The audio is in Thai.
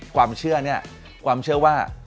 ความเชื่อเนี่ยความเชื่อว่า